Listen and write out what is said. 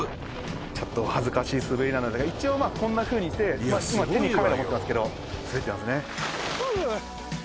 ちょっと恥ずかしい滑りなので一応まあこんなふうにして今手にカメラ持ってますけど滑ってますねフ！